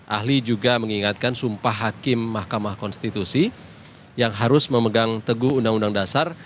ahli juga mengingatkan sumpah hakim mahkamah konstitusi yang harus memegang teguh undang undang dasar